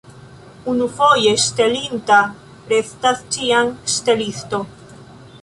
Unufoje ŝtelinta restas ĉiam ŝtelisto.